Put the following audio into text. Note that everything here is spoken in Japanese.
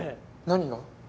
何が？